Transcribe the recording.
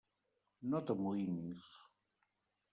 No t'amoïnis.